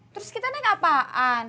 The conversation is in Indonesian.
terus kita naik apaan